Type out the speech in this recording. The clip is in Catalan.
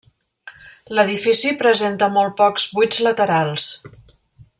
L'edifici presenta molt pocs buits laterals.